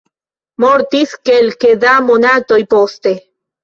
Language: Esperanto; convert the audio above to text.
Mortis kelke da monatoj poste.